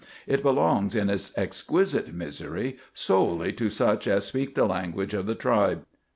It belongs in its exquisite misery solely to such as speak the language of the tribe.